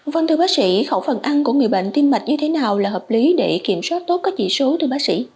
vâng thưa bác sĩ khẩu phần ăn của người bệnh tim mạch như thế nào là hợp lý để kiểm soát tốt các chỉ số thưa bác sĩ